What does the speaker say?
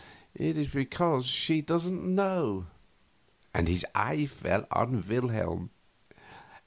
It is because she doesn't know." His eye fell on Wilhelm.